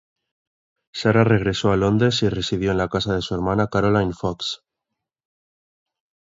Sarah regresó a Londres y residió en la casa de su hermana Caroline Fox.